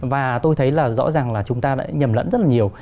và tôi thấy là rõ ràng là chúng ta đã nhầm lẫn rất là nhiều